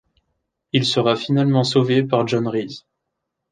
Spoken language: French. Il sera finalement sauvé par John Reese.